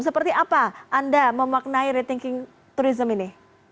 seperti apa anda memaknai rethinking tourism ini